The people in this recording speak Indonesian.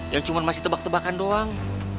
yang cuma masih tebak tebakan doang